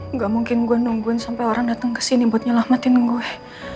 enggak mungkin gua nungguin sampai orang dateng kesini buat nyelamatin gue